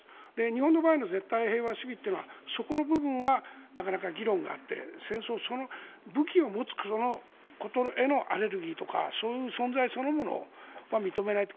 日本の場合の絶対平和主義というのはそこの部分はなかなか議論があって武器を持つことへのアレルギーとかその存在そのものは認めないと。